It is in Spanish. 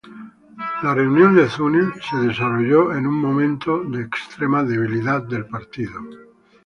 La Reunión de Zunyi se desarrolló en un momento de extrema debilidad del partido.